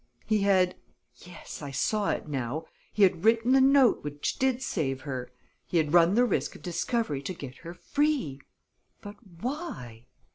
He had yes, I saw it now! he had written the note which did save her; he had run the risk of discovery to get her free! But why?